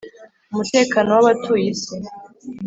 umutekano w abatuye isi